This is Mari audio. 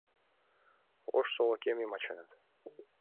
Ош солыкем йымачынет